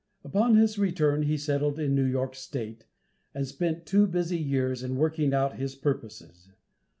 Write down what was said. Upon his return he settled in New York state, and spent two busy years in working out his purposes.